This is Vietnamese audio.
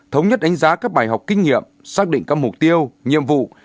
thống nhất đánh giá các bài học kinh nghiệm xác định các mục tiêu nhiệm vụ